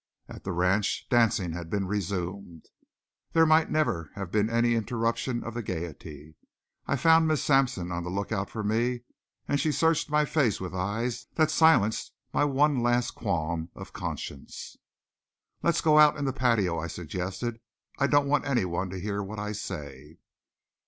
At the ranch dancing had been resumed. There might never have been any interruption of the gaiety. I found Miss Sampson on the lookout for me and she searched my face with eyes that silenced my one last qualm of conscience. "Let's go out in the patio," I suggested. "I don't want any one to hear what I say."